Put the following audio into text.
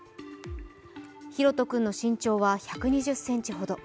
大翔君の身長は１２０ｃｍほど。